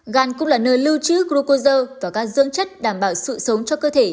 gan cũng là nơi lưu trữ glucosa và các dương chất đảm bảo sự sống cho cơ thể